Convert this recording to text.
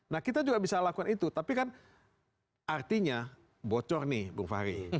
nah kita juga bisa lakukan itu tapi kan artinya bocor nih bung fahri